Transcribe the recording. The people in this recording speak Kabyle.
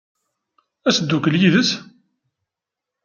Ad teddukel yid-s?